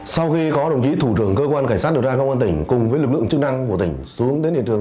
sau khi có đồng chí thủ trưởng cơ quan cảnh sát điều tra công an tỉnh cùng với lực lượng chức năng của tỉnh xuống đến hiện trường